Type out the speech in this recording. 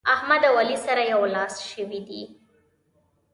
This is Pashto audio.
احمد او علي سره يو لاس شوي دي.